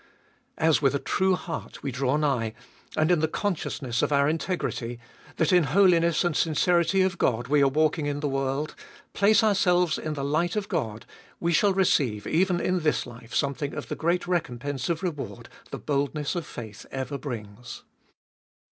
As with a true heart we draw nigh, and in the consciousness of our integrity, that in holiness and sincerity of God we are walking in the world, place ourselves in the light of God, we shall receive even in this life something of the great recompense of reward the boldness of faith ever brings.